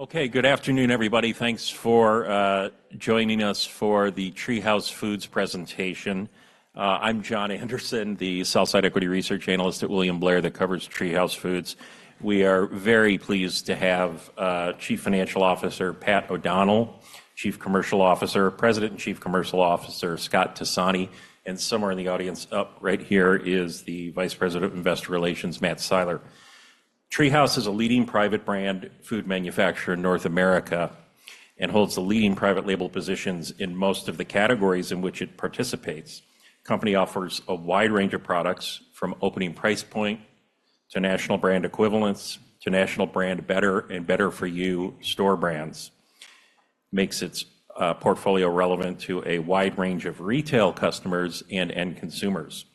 Okay, good afternoon, everybody. Thanks for joining us for the TreeHouse Foods presentation. I'm Jon Andersen, the sell-side equity research analyst at William Blair that covers TreeHouse Foods. We are very pleased to have Chief Financial Officer Pat O'Donnell, President and Chief Commercial Officer Scott Tassani, and somewhere in the audience, up right here, is the Vice President of Investor Relations, Matt Siler. TreeHouse is a leading private brand food manufacturer in North America, and holds the leading private label positions in most of the categories in which it participates. The company offers a wide range of products, from opening price point to national brand equivalents to national brand better and better-for-you store brands. Makes its portfolio relevant to a wide range of retail customers and end consumers.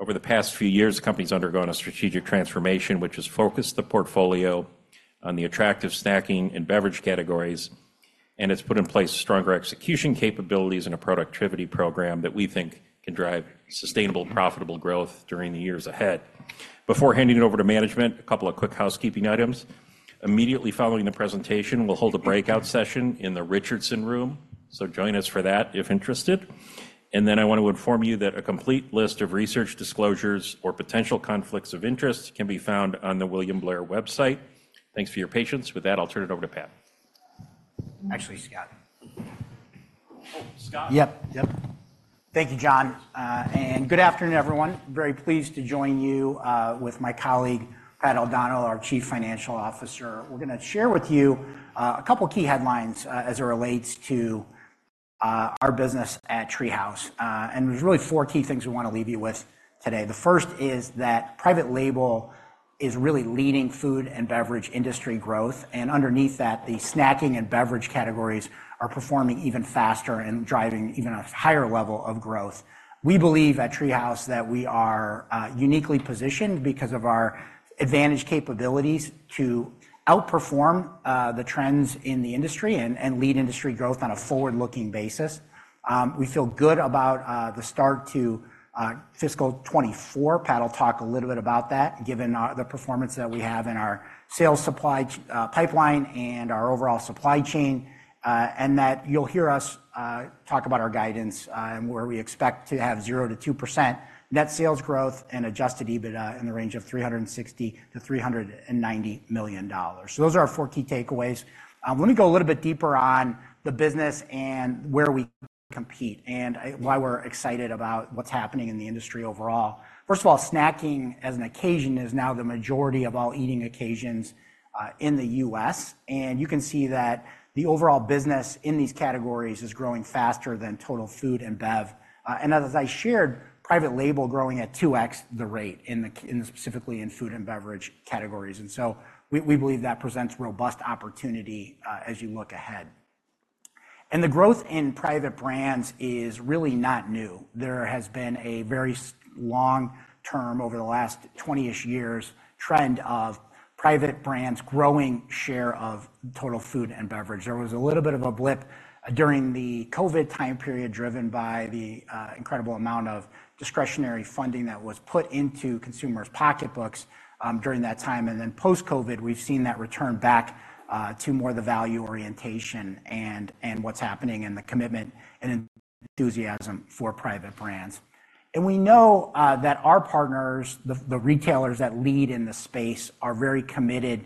Over the past few years, the company's undergone a strategic transformation, which has focused the portfolio on the attractive snacking and beverage categories, and it's put in place stronger execution capabilities and a productivity program that we think can drive sustainable, profitable growth during the years ahead. Before handing it over to management, a couple of quick housekeeping items. Immediately following the presentation, we'll hold a breakout session in the Richardson Room, so join us for that, if interested. And then, I want to inform you that a complete list of research disclosures or potential conflicts of interest can be found on the William Blair website. Thanks for your patience. With that, I'll turn it over to Pat. Actually, Scott. Oh, Scott? Yep, yep. Thank you, Jon, and good afternoon, everyone. Very pleased to join you with my colleague, Pat O'Donnell, our Chief Financial Officer. We're gonna share with you a couple key headlines as it relates to our business at TreeHouse. There's really four key things we want to leave you with today. The first is that private label is really leading food and beverage industry growth, and underneath that, the snacking and beverage categories are performing even faster and driving even a higher level of growth. We believe at TreeHouse that we are uniquely positioned because of our advantage capabilities to outperform the trends in the industry and lead industry growth on a forward-looking basis. We feel good about the start to fiscal 2024. Pat will talk a little bit about that, given the performance that we have in our sales pipeline and our overall supply chain. And that you'll hear us talk about our guidance, and where we expect to have 0%-2% net sales growth and Adjusted EBITDA in the range of $360 million-$390 million. So those are our four key takeaways. Let me go a little bit deeper on the business and where we compete, and why we're excited about what's happening in the industry overall. First of all, snacking, as an occasion, is now the majority of all eating occasions in the U.S., and you can see that the overall business in these categories is growing faster than total food and bev. and as I shared, private label growing at 2x the rate in the, in specifically in food and beverage categories, and so we, we believe that presents robust opportunity, as you look ahead. The growth in private brands is really not new. There has been a very long term, over the last 20-ish years, trend of private brands growing share of total food and beverage. There was a little bit of a blip during the COVID time period, driven by the incredible amount of discretionary funding that was put into consumers' pocketbooks, during that time. Then post-COVID, we've seen that return back, to more the value orientation and, and what's happening and the commitment and enthusiasm for private brands. And we know that our partners, the retailers that lead in this space, are very committed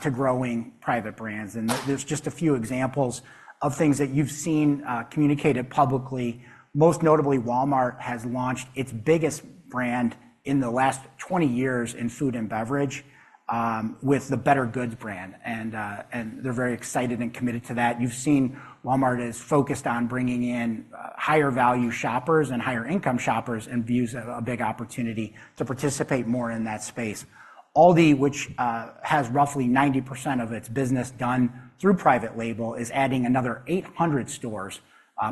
to growing private brands. There's just a few examples of things that you've seen communicated publicly. Most notably, Walmart has launched its biggest brand in the last 20 years in food and beverage with the bettergoods brand, and they're very excited and committed to that. You've seen Walmart is focused on bringing in higher value shoppers and higher income shoppers, and views a big opportunity to participate more in that space. Aldi, which has roughly 90% of its business done through private label, is adding another 800 stores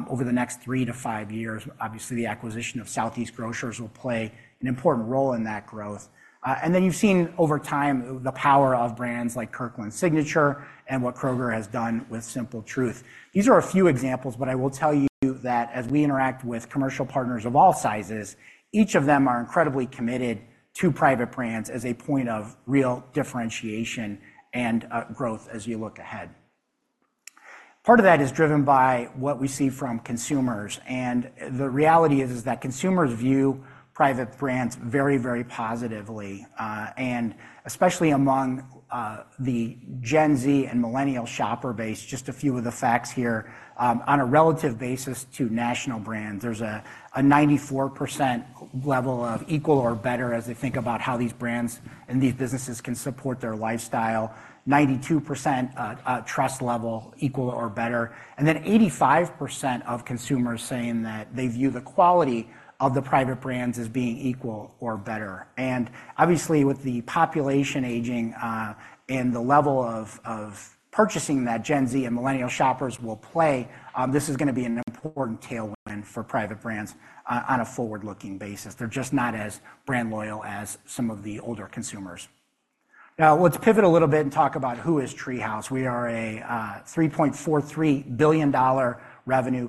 over the next 3-5 years. Obviously, the acquisition of Southeastern Grocers will play an important role in that growth. And then, you've seen over time, the power of brands like Kirkland Signature and what Kroger has done with Simple Truth. These are a few examples, but I will tell you that as we interact with commercial partners of all sizes, each of them are incredibly committed to private brands as a point of real differentiation and, growth as you look ahead. Part of that is driven by what we see from consumers, and the reality is that consumers view private brands very, very positively, and especially among the Gen Z and Millennial shopper base. Just a few of the facts here. On a relative basis to national brands, there's a 94% level of equal or better as they think about how these brands and these businesses can support their lifestyle. 92% trust level, equal or better, and then 85% of consumers saying that they view the quality of the private brands as being equal or better. And obviously, with the population aging, and the level of purchasing that Gen Z and Millennial shoppers will play, this is gonna be an important tailwind for private brands on a forward-looking basis. They're just not as brand loyal as some of the older consumers.... Now, let's pivot a little bit and talk about who is TreeHouse. We are a $3.43 billion revenue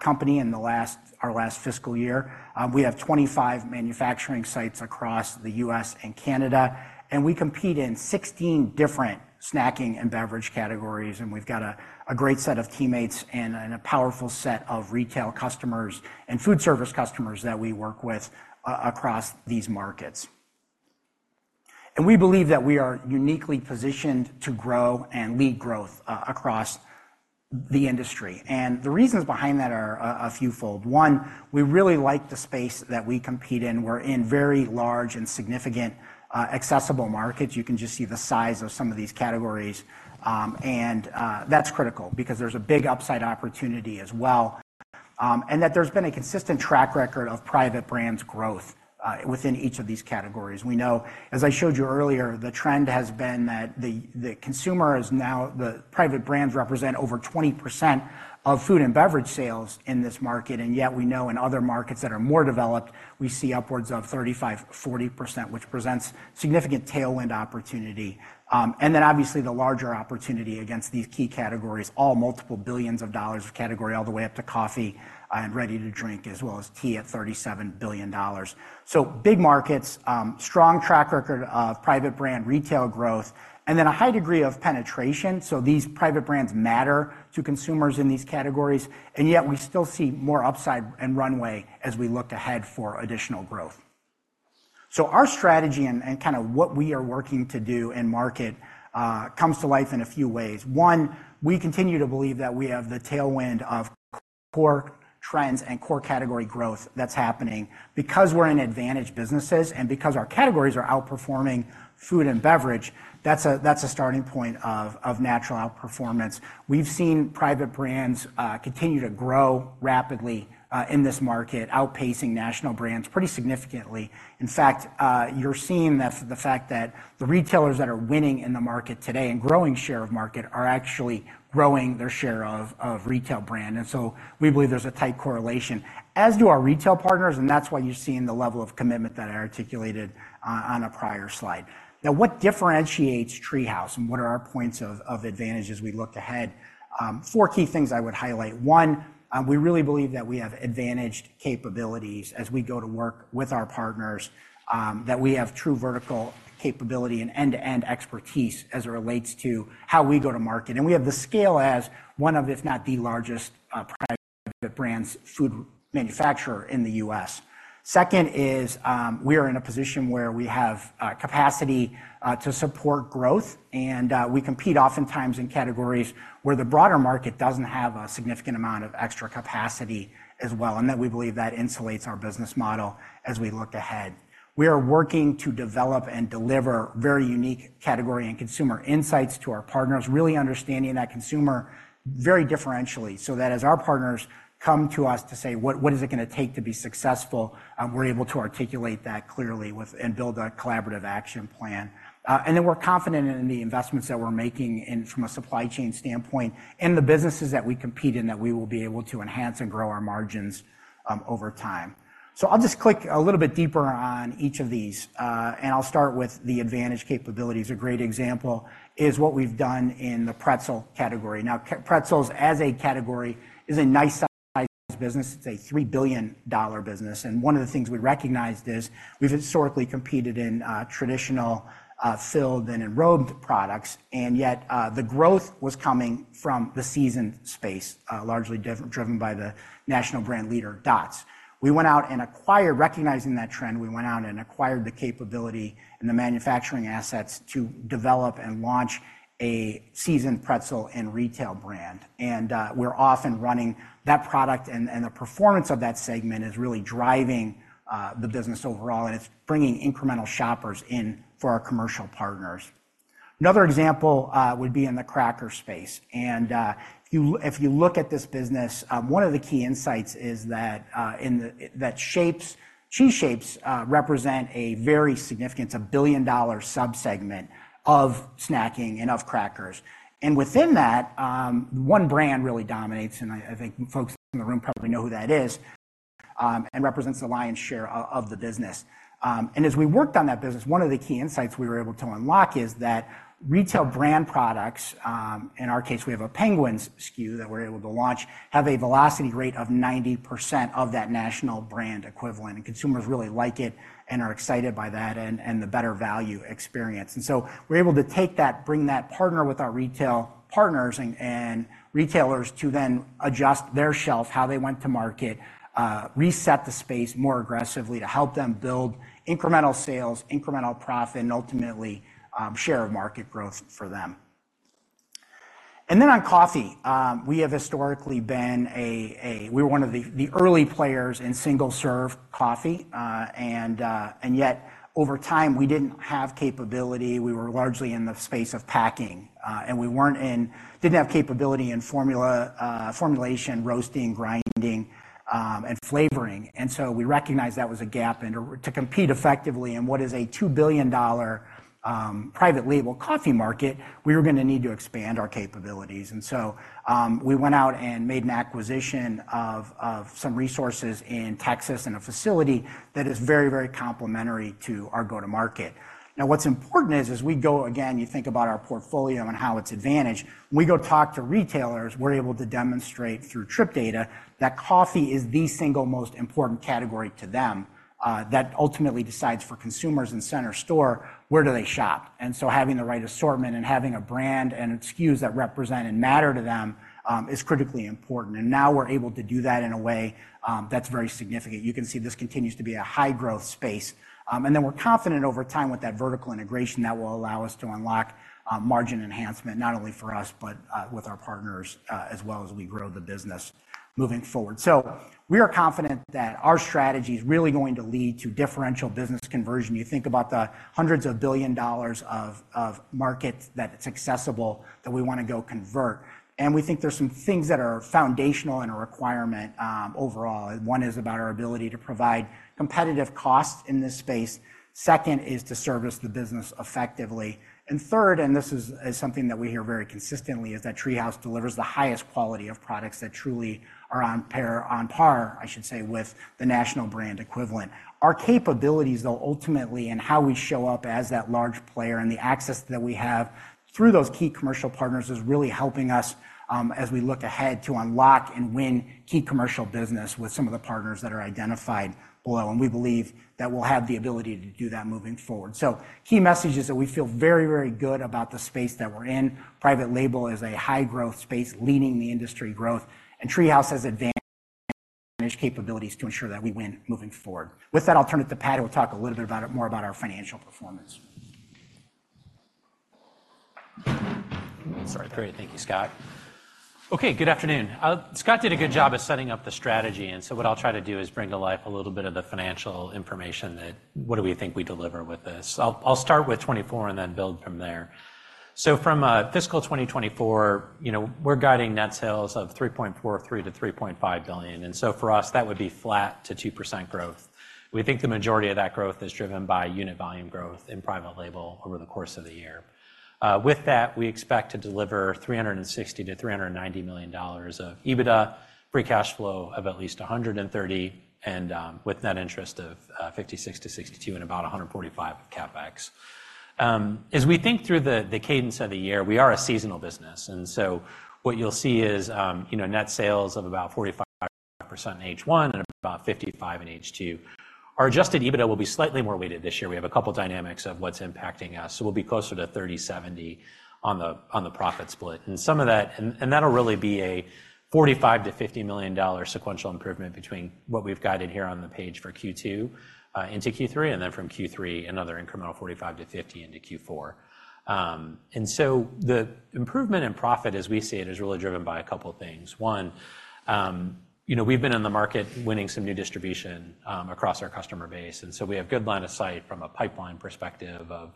company in the last— our last fiscal year. We have 25 manufacturing sites across the US and Canada, and we compete in 16 different snacking and beverage categories, and we've got a great set of teammates and a powerful set of retail customers and food service customers that we work with across these markets. We believe that we are uniquely positioned to grow and lead growth across the industry. The reasons behind that are a fewfold. One, we really like the space that we compete in. We're in very large and significant accessible markets. You can just see the size of some of these categories, and that's critical because there's a big upside opportunity as well, and that there's been a consistent track record of private brands growth within each of these categories. We know, as I showed you earlier, the trend has been that the consumer is now—the private brands represent over 20% of food and beverage sales in this market, and yet we know in other markets that are more developed, we see upwards of 35%-40%, which presents significant tailwind opportunity. And then obviously, the larger opportunity against these key categories, all multiple billions of dollars of category, all the way up to coffee and ready-to-drink, as well as tea at $37 billion. So big markets, strong track record of private brand retail growth, and then a high degree of penetration. So these private brands matter to consumers in these categories, and yet we still see more upside and runway as we look ahead for additional growth. So our strategy and kind of what we are working to do in market comes to life in a few ways. One, we continue to believe that we have the tailwind of core trends and core category growth that's happening. Because we're in advantage businesses and because our categories are outperforming food and beverage, that's a starting point of natural outperformance. We've seen private brands continue to grow rapidly in this market, outpacing national brands pretty significantly. In fact, you're seeing that the fact that the retailers that are winning in the market today and growing share of market are actually growing their share of retail brand, and so we believe there's a tight correlation, as do our retail partners, and that's why you're seeing the level of commitment that I articulated on a prior slide. Now, what differentiates TreeHouse and what are our points of advantage as we look ahead? Four key things I would highlight. One, we really believe that we have advantaged capabilities as we go to work with our partners, that we have true vertical capability and end-to-end expertise as it relates to how we go to market, and we have the scale as one of, if not the largest, private brands food manufacturer in the U.S. Second is, we are in a position where we have capacity to support growth, and we compete oftentimes in categories where the broader market doesn't have a significant amount of extra capacity as well, and that we believe that insulates our business model as we look ahead. We are working to develop and deliver very unique category and consumer insights to our partners, really understanding that consumer very differentially, so that as our partners come to us to say, "What is it gonna take to be successful?" We're able to articulate that clearly, and build a collaborative action plan. And then we're confident in the investments that we're making in from a supply chain standpoint, in the businesses that we compete in, that we will be able to enhance and grow our margins, over time. So I'll just click a little bit deeper on each of these, and I'll start with the advantage capabilities. A great example is what we've done in the pretzel category. Now, pretzels as a category is a nice size business. It's a $3 billion business, and one of the things we recognized is we've historically competed in, traditional, filled and enrobed products, and yet, the growth was coming from the seasoned space, largely driven by the national brand leader, Dot's. Recognizing that trend, we went out and acquired the capability and the manufacturing assets to develop and launch a seasoned pretzel and retail brand. And, we're off and running. That product and, and the performance of that segment is really driving, the business overall, and it's bringing incremental shoppers in for our commercial partners. Another example, would be in the cracker space, and, if you, if you look at this business, one of the key insights is that, in the that shapes, cheese shapes, represent a very significant, it's a billion-dollar subsegment of snacking and of crackers. And within that, one brand really dominates, and I, I think folks in the room probably know who that is, and represents the lion's share of, of the business. And as we worked on that business, one of the key insights we were able to unlock is that retail brand products, in our case, we have a Penguins SKU that we're able to launch, have a velocity rate of 90% of that national brand equivalent, and consumers really like it and are excited by that and, the better value experience. And so we're able to take that, bring that, partner with our retail partners and retailers to then adjust their shelf, how they went to market, reset the space more aggressively to help them build incremental sales, incremental profit, and ultimately, share of market growth for them. And then on coffee, we have historically been a, we're one of the early players in single-serve coffee. And yet, over time, we didn't have capability. We were largely in the space of packing, and we didn't have capability in formula, formulation, roasting, grinding, and flavoring. And so we recognized that was a gap, and in order to compete effectively in what is a $2 billion private label coffee market, we were gonna need to expand our capabilities. And so, we went out and made an acquisition of some resources in Texas, and a facility that is very, very complementary to our go-to-market. Now, what's important is, as we go again, you think about our portfolio and how it's advantaged. When we go talk to retailers, we're able to demonstrate through trip data that coffee is the single most important category to them, that ultimately decides for consumers in center store, where do they shop? And so having the right assortment and having a brand and SKUs that represent and matter to them is critically important. And now we're able to do that in a way that's very significant. You can see this continues to be a high-growth space. And then we're confident over time with that vertical integration, that will allow us to unlock margin enhancement, not only for us, but with our partners as well as we grow the business moving forward. So we are confident that our strategy is really going to lead to differential business conversion. You think about the hundreds of billions of dollars of market that's accessible, that we wanna go convert. And we think there's some things that are foundational and a requirement overall. One is about our ability to provide competitive costs in this space. Second is to service the business effectively. And third, and this is something that we hear very consistently, is that TreeHouse delivers the highest quality of products that truly are on pair, on par, I should say, with the national brand equivalent. Our capabilities, though, ultimately, and how we show up as that large player and the access that we have through those key commercial partners, is really helping us, as we look ahead to unlock and win key commercial business with some of the partners that are identified below. We believe that we'll have the ability to do that moving forward. Key message is that we feel very, very good about the space that we're in. Private label is a high-growth space, leading the industry growth, and TreeHouse has advanced capabilities to ensure that we win moving forward. With that, I'll turn it to Pat, who will talk a little bit about it, more about our financial performance. Sorry. Great. Thank you, Scott. Okay, good afternoon. Scott did a good job of setting up the strategy, and so what I'll try to do is bring to life a little bit of the financial information that, what do we think we deliver with this? I'll start with 2024 and then build from there. So from fiscal 2024, you know, we're guiding net sales of $3.43 billion-$3.5 billion, and so for us, that would be flat to 2% growth. We think the majority of that growth is driven by unit volume growth in private label over the course of the year. With that, we expect to deliver $360 million-$390 million of EBITDA, free cash flow of at least $130 million, and with net interest of $56 million-$62 million and about $145 million of CapEx. As we think through the cadence of the year, we are a seasonal business, and so what you'll see is, you know, net sales of about 45% in H1 and about 55% in H2. Our adjusted EBITDA will be slightly more weighted this year. We have a couple of dynamics of what's impacting us, so we'll be closer to 30/70 on the profit split. And some of that, and that'll really be a $45 million-$50 million sequential improvement between what we've guided here on the page for Q2, into Q3, and then from Q3, another incremental $45 million-$50 million into Q4. And so the improvement in profit, as we see it, is really driven by a couple of things. One, you know, we've been in the market winning some new distribution, across our customer base, and so we have good line of sight from a pipeline perspective of,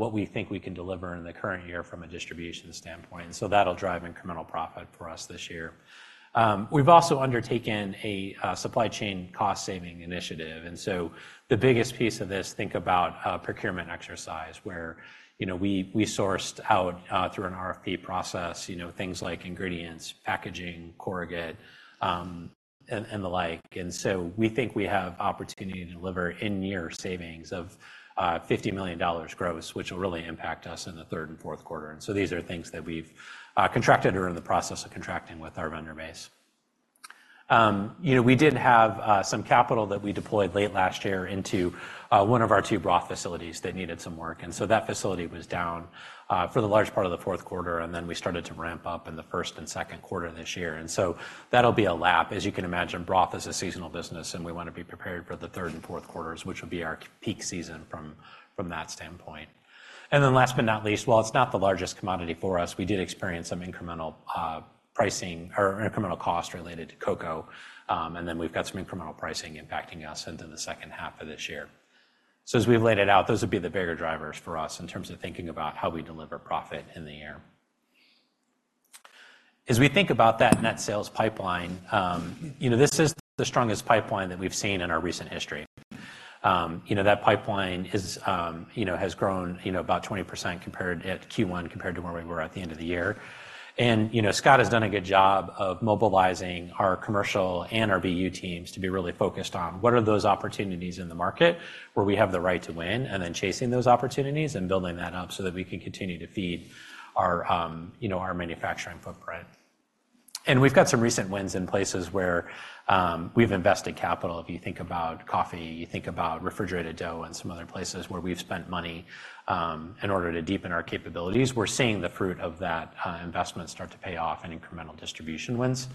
what we think we can deliver in the current year from a distribution standpoint. So that'll drive incremental profit for us this year. We've also undertaken a supply chain cost-saving initiative, and so the biggest piece of this, think about a procurement exercise where, you know, we sourced out through an RFP process, you know, things like ingredients, packaging, corrugate, and the like. And so we think we have opportunity to deliver in-year savings of $50 million gross, which will really impact us in the third and fourth quarter. And so these are things that we've contracted or are in the process of contracting with our vendor base. You know, we did have some capital that we deployed late last year into one of our two broth facilities that needed some work, and so that facility was down for the large part of the fourth quarter, and then we started to ramp up in the first and second quarter this year. And so that'll be a lap. As you can imagine, broth is a seasonal business, and we want to be prepared for the third and fourth quarters, which will be our peak season from that standpoint. And then last but not least, while it's not the largest commodity for us, we did experience some incremental pricing or incremental cost related to cocoa, and then we've got some incremental pricing impacting us into the second half of this year. So as we've laid it out, those would be the bigger drivers for us in terms of thinking about how we deliver profit in the year. As we think about that net sales pipeline, you know, this is the strongest pipeline that we've seen in our recent history. You know, that pipeline is, you know, has grown, you know, about 20% compared at Q1, compared to where we were at the end of the year. And, you know, Scott has done a good job of mobilizing our commercial and our BU teams to be really focused on what are those opportunities in the market where we have the right to win, and then chasing those opportunities and building that up so that we can continue to feed our, you know, our manufacturing footprint. And we've got some recent wins in places where we've invested capital. If you think about coffee, you think about refrigerated dough and some other places where we've spent money in order to deepen our capabilities. We're seeing the fruit of that investment start to pay off in incremental distribution wins.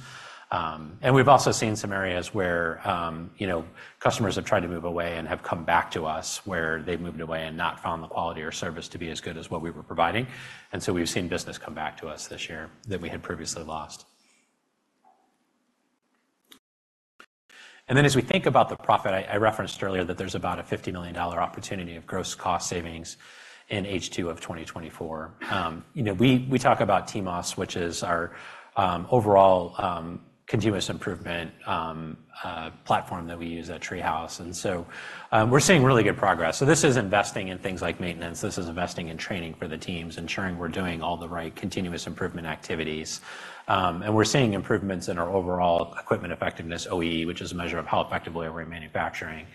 And we've also seen some areas where you know, customers have tried to move away and have come back to us, where they've moved away and not found the quality or service to be as good as what we were providing. And so we've seen business come back to us this year that we had previously lost.... And then as we think about the profit, I, I referenced earlier that there's about a $50 million opportunity of gross cost savings in H2 of 2024. You know, we talk about TMOS, which is our overall continuous improvement platform that we use at TreeHouse, and so, we're seeing really good progress. So this is investing in things like maintenance. This is investing in training for the teams, ensuring we're doing all the right continuous improvement activities. And we're seeing improvements in our overall equipment effectiveness, OEE, which is a measure of how effectively are we manufacturing.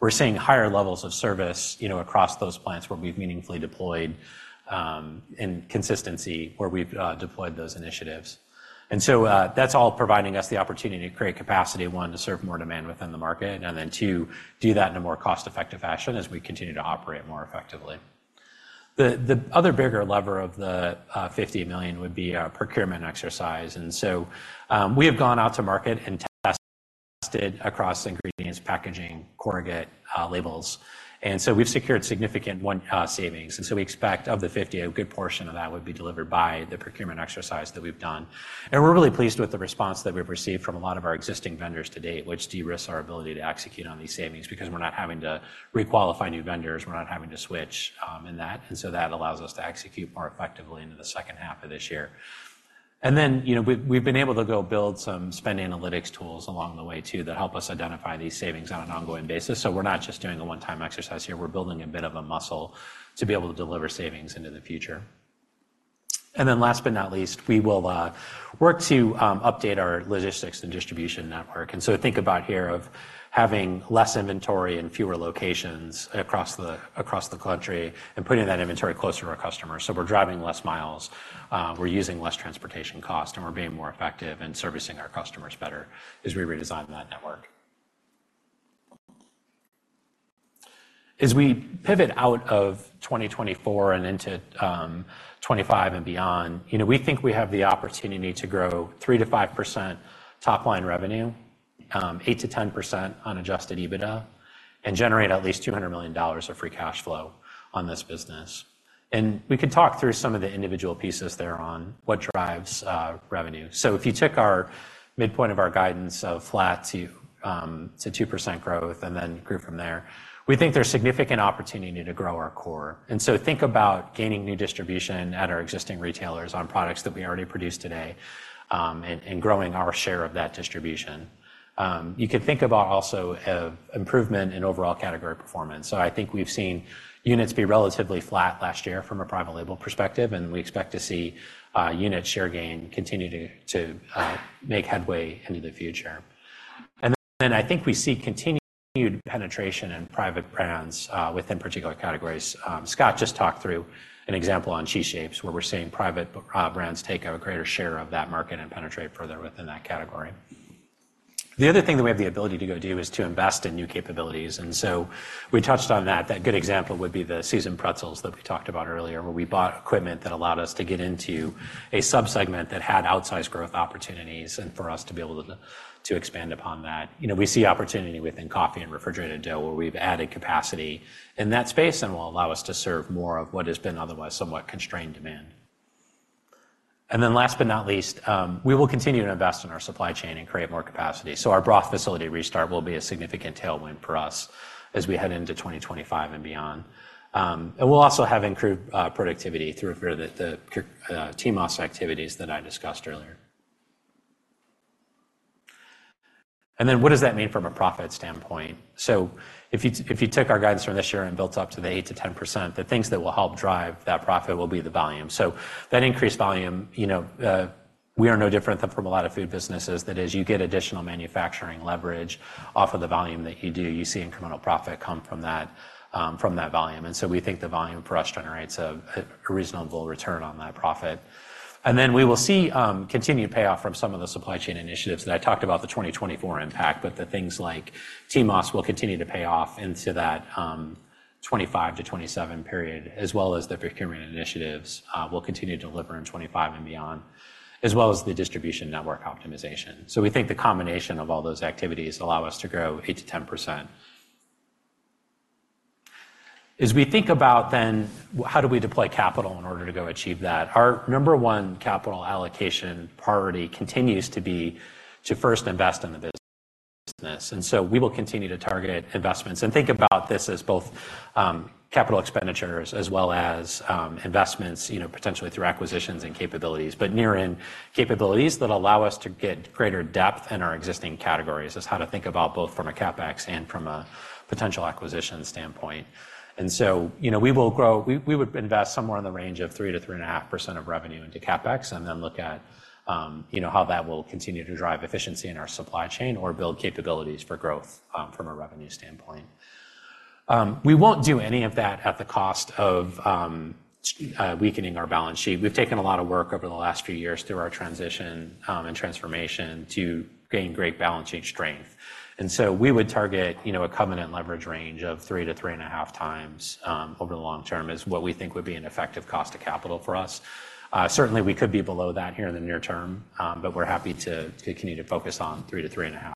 We're seeing higher levels of service, you know, across those plants where we've meaningfully deployed, and consistency where we've deployed those initiatives. And so, that's all providing us the opportunity to create capacity, one, to serve more demand within the market, and then two, do that in a more cost-effective fashion as we continue to operate more effectively. The other bigger lever of the $50 million would be our procurement exercise, and so, we have gone out to market and tested across ingredients, packaging, corrugate, labels, and so we've secured significant one savings, and so we expect, of the $50 million, a good portion of that would be delivered by the procurement exercise that we've done. And we're really pleased with the response that we've received from a lot of our existing vendors to date, which de-risks our ability to execute on these savings because we're not having to re-qualify new vendors. We're not having to switch, in that, and so that allows us to execute more effectively into the second half of this year. And then, you know, we've been able to go build some spend analytics tools along the way, too, that help us identify these savings on an ongoing basis. So we're not just doing a one-time exercise here. We're building a bit of a muscle to be able to deliver savings into the future. And then last but not least, we will work to update our logistics and distribution network. And so think about here of having less inventory and fewer locations across the country and putting that inventory closer to our customers. So we're driving less miles, we're using less transportation cost, and we're being more effective in servicing our customers better as we redesign that network. As we pivot out of 2024 and into 2025 and beyond, you know, we think we have the opportunity to grow 3%-5% top-line revenue, eight to ten percent on Adjusted EBITDA, and generate at least $200 million of free cash flow on this business. And we can talk through some of the individual pieces there on what drives revenue. So if you took our midpoint of our guidance of flat to 2% growth and then grew from there, we think there's significant opportunity to grow our core. And so think about gaining new distribution at our existing retailers on products that we already produce today, and growing our share of that distribution. You can think about also of improvement in overall category performance. So I think we've seen units be relatively flat last year from a private label perspective, and we expect to see unit share gain continue to make headway into the future. And then, I think we see continued penetration in private brands within particular categories. Scott just talked through an example on cheese shapes, where we're seeing private brands take a greater share of that market and penetrate further within that category. The other thing that we have the ability to go do is to invest in new capabilities, and so we touched on that. That good example would be the seasoned pretzels that we talked about earlier, where we bought equipment that allowed us to get into a sub-segment that had outsized growth opportunities and for us to be able to expand upon that. You know, we see opportunity within coffee and refrigerated dough, where we've added capacity in that space and will allow us to serve more of what has been otherwise somewhat constrained demand. And then last but not least, we will continue to invest in our supply chain and create more capacity. So our broth facility restart will be a significant tailwind for us as we head into 2025 and beyond. And we'll also have improved productivity through the TMOS activities that I discussed earlier. And then what does that mean from a profit standpoint? So if you took our guidance from this year and built up to the 8%-10%, the things that will help drive that profit will be the volume. So that increased volume, you know, we are no different than from a lot of food businesses. That is, you get additional manufacturing leverage off of the volume that you do. You see incremental profit come from that, from that volume, and so we think the volume for us generates a reasonable return on that profit. And then we will see continued payoff from some of the supply chain initiatives that I talked about, the 2024 impact. But the things like TMOS will continue to pay off into that 25-27 period, as well as the procurement initiatives will continue to deliver in 25 and beyond, as well as the distribution network optimization. So we think the combination of all those activities allow us to grow 8%-10%. As we think about then, how do we deploy capital in order to go achieve that? Our number one capital allocation priority continues to be to first invest in the business. And so we will continue to target investments and think about this as both, capital expenditures as well as, investments, you know, potentially through acquisitions and capabilities. But near in, capabilities that allow us to get greater depth in our existing categories is how to think about both from a CapEx and from a potential acquisition standpoint. And so, you know, we would invest somewhere in the range of 3%-3.5% of revenue into CapEx and then look at, you know, how that will continue to drive efficiency in our supply chain or build capabilities for growth, from a revenue standpoint. We won't do any of that at the cost of weakening our balance sheet. We've taken a lot of work over the last few years through our transition and transformation to gain great balance sheet strength. And so we would target, you know, a covenant leverage range of 3-3.5 times over the long term, is what we think would be an effective cost of capital for us. Certainly, we could be below that here in the near term, but we're happy to continue to focus on 3-3.5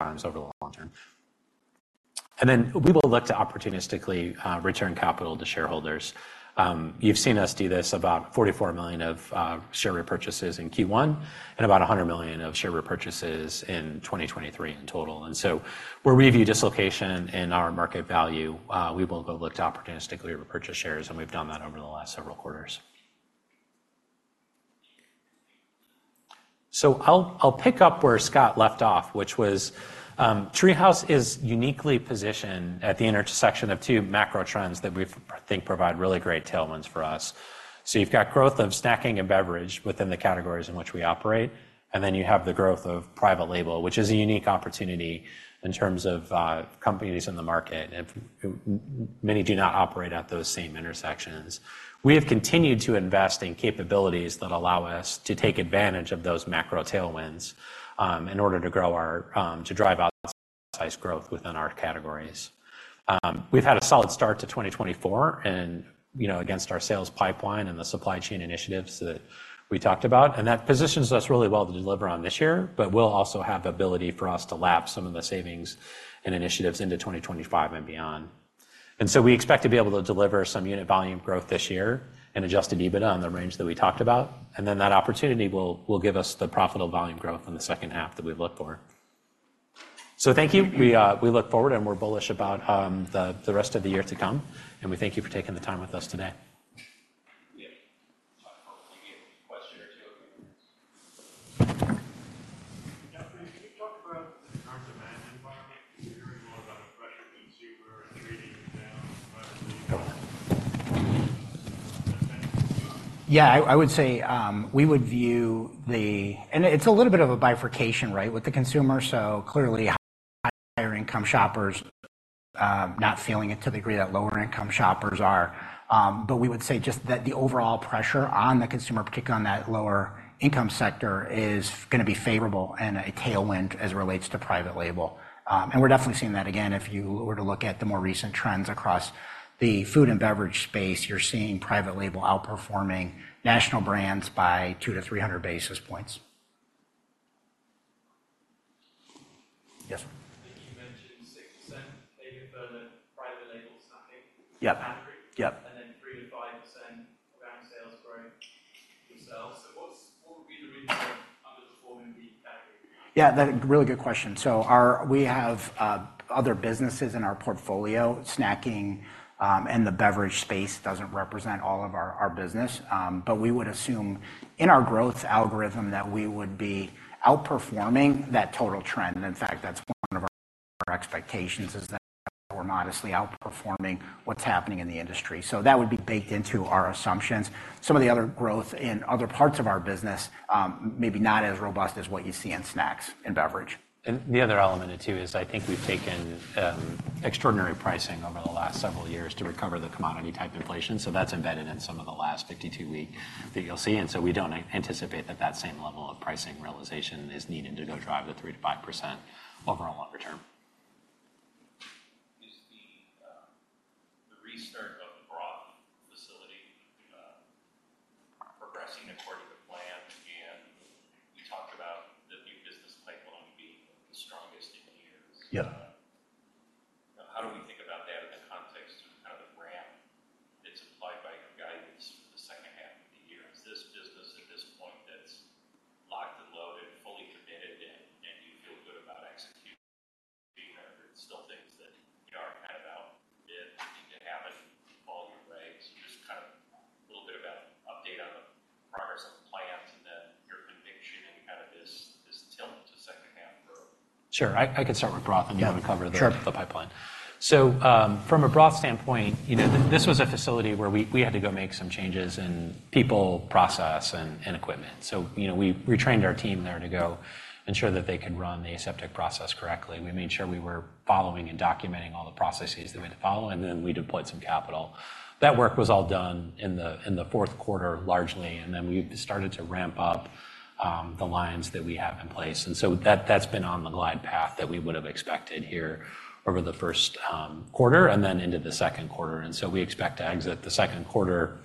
times over the long term.... Then we will look to opportunistically return capital to shareholders. You've seen us do this about $44 million of share repurchases in Q1, and about $100 million of share repurchases in 2023 in total. And so, we'll review dislocation and our market value, we will go look to opportunistically repurchase shares, and we've done that over the last several quarters. So I'll, I'll pick up where Scott left off, which was, TreeHouse is uniquely positioned at the intersection of two macro trends that we think provide really great tailwinds for us. So you've got growth of snacking and beverage within the categories in which we operate, and then you have the growth of private label, which is a unique opportunity in terms of, companies in the market, and many do not operate at those same intersections. We have continued to invest in capabilities that allow us to take advantage of those macro tailwinds, in order to grow our, to drive out size growth within our categories. We've had a solid start to 2024, and, you know, against our sales pipeline and the supply chain initiatives that we talked about, and that positions us really well to deliver on this year. But we'll also have the ability for us to lap some of the savings and initiatives into 2025 and beyond. And so we expect to be able to deliver some unit volume growth this year, and Adjusted EBITDA on the range that we talked about, and then that opportunity will give us the profitable volume growth in the second half that we look for. So thank you. We, we look forward, and we're bullish about the rest of the year to come, and we thank you for taking the time with us today. Can you talk about the current demand environment? We're hearing a lot about the pressured consumer and trading down, whether the- Yeah, I would say, we would view the, and it's a little bit of a bifurcation, right, with the consumer. So clearly, higher income shoppers, not feeling it to the degree that lower income shoppers are. But we would say just that the overall pressure on the consumer, particularly on that lower income sector, is gonna be favorable and a tailwind as it relates to private label. And we're definitely seeing that. Again, if you were to look at the more recent trends across the food and beverage space, you're seeing private label outperforming national brands by 200-300 basis points. Yes, sir. I think you mentioned 6%, maybe further private label snacking- Yeah. -category. Yeah. And then 3%-5% organic sales growth yourselves. So what would be the reason underperforming the category? Yeah, that's a really good question. So we have other businesses in our portfolio, snacking, and the beverage space doesn't represent all of our business. But we would assume in our growth algorithm that we would be outperforming that total trend. And in fact, that's one of our expectations, is that we're modestly outperforming what's happening in the industry. So that would be baked into our assumptions. Some of the other growth in other parts of our business, maybe not as robust as what you see in snacks and beverage. And the other element, too, is I think we've taken extraordinary pricing over the last several years to recover the commodity-type inflation, so that's embedded in some of the last 52-week that you'll see. And so we don't anticipate that, that same level of pricing realization is needed to go drive the 3%-5% overall longer term. the lines that we have in place. And so that's been on the glide path that we would have expected here over the first quarter, and then into the second quarter. And so we expect to exit the second quarter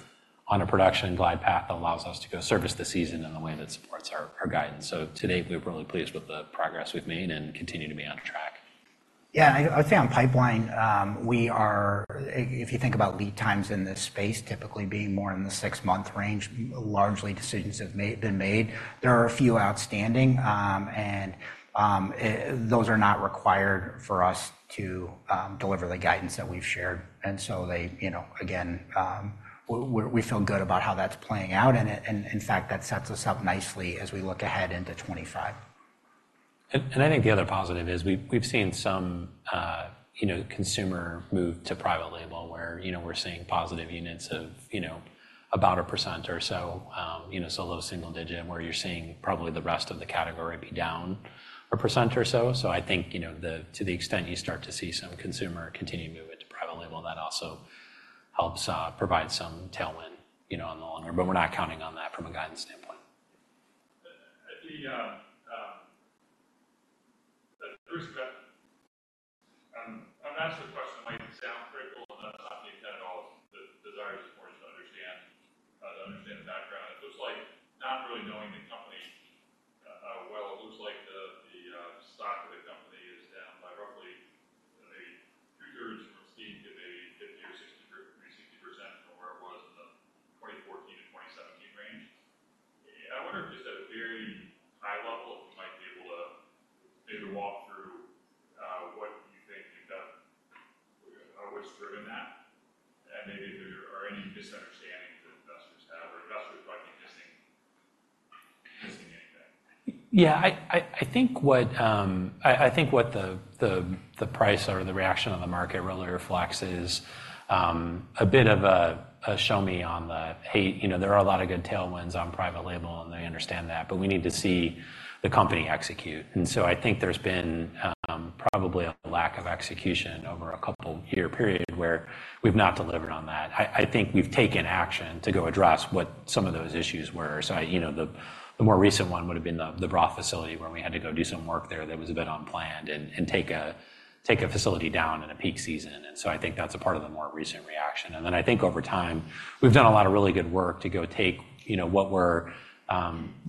on a production glide path that allows us to go service the season in a way that supports our guidance. So to date, we're really pleased with the progress we've made and continue to be on track. Yeah, I think on pipeline, if you think about lead times in this space, typically being more in the six-month range, largely decisions have been made. There are a few outstanding, and those are not required for us to deliver the guidance that we've shared, and so they, you know, again, we're, we feel good about how that's playing out, and it, and, in fact, that sets us up nicely as we look ahead into 2025. I think the other positive is we've seen some, you know, consumer move to private label, where, you know, we're seeing positive units of, you know, about 1% or so, you know, so low single digit, and where you're seeing probably the rest of the category be down 1% or so. So I think, you know, the to the extent you start to see some consumer continue to move into private label, that also helps provide some tailwind, you know, on the longer, but we're not counting on that from a guidance standpoint. This is e, and actually, the question might sound critical, and that's not the intent at all. The desire is for us to understand the background. It looks like not really knowing the company, well, it looks like the stock of the company is down by roughly two-thirds from peak to maybe 50 or 60, 60% from where it was in the 2014-2017 range. I wonder if just at a very high level, you might be able to maybe walk through what you think you've done, or what's driven that, and maybe if there are any misunderstandings that investors have, or investors might be missing anything? Yeah, I think what the price or the reaction of the market really reflects is a bit of a show me on the, "Hey, you know, there are a lot of good tailwinds on private label, and I understand that, but we need to see the company execute." And so I think there's been probably a lack of execution over a couple year period, where we've not delivered on that. I think we've taken action to go address what some of those issues were. So, you know, the more recent one would have been the broth facility, where we had to go do some work there that was a bit unplanned and take a facility down in a peak season, and so I think that's a part of the more recent reaction. Then I think over time, we've done a lot of really good work to go take, you know, what were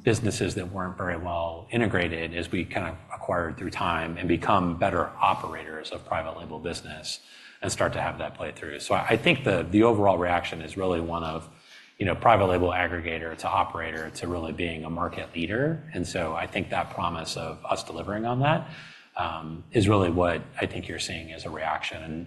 businesses that weren't very well integrated as we kind of acquired through time and become better operators of private label business and start to have that play through. So I think the overall reaction is really one of, you know, private label aggregator, to operator, to really being a market leader, and so I think that promise of us delivering on that is really what I think you're seeing as a reaction, and-